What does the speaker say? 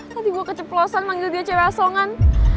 tadi gue keceplosan manggil dia cea song kan